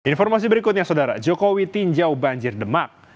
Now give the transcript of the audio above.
informasi berikutnya saudara jokowi tinjau banjir demak